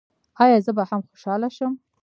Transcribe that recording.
ایا زه به هم خوشحاله شم؟